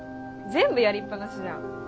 全部やりっぱなしじゃん。